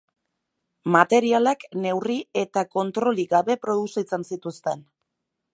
Materialak neurri eta kontrolik gabe produzitzen zituzten.